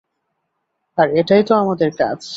আর এটাই তো আমাদের কাজ।